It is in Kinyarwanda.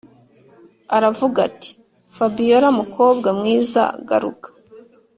aravuga ati”fabiora mukobwa mwiza garuka